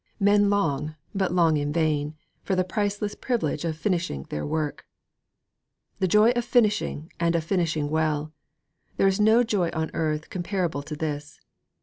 Men long, but long in vain, for the priceless privilege of finishing their work. IV The joy of finishing and of finishing well! There is no joy on earth comparable to this.